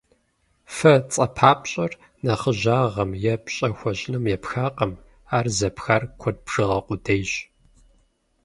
«Фэ» цӏэпапщӏэр нэхъыжьагъым е пщӏэ хуэщӏыным епхакъым, ар зэпхар куэд бжыгъэ къудейщ.